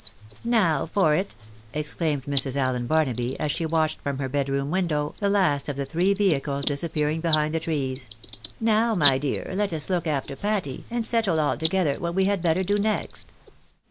" Now for it," exclaimed Mrs. Allen Barnaby, as she watched from her bedroom window the last of the three vehicles disappear 218 THE BARNABYS IX AIMERICA. ing behind the trees, " now, my dear, let ns look after Patty, and settle all together what we had better do next."